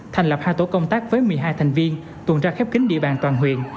thành lập hai tổ công tác với một mươi hai thành viên tuần tra khép kính địa bàn toàn huyện